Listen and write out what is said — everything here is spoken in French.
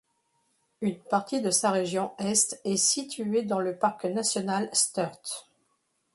Une partie de sa région Est est située dans le parc national Sturt.